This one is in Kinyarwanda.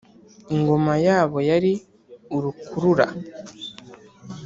ingoma yabo yari rukurura.